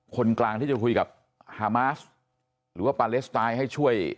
คนกลางที่จะคุยกับฮามาสหรือว่าปาเลสไตล์ให้ช่วย